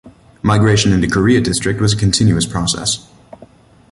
Migration into Korea District was a continuous process.